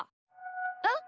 えっ？